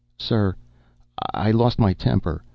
"Sir, I lost my temper.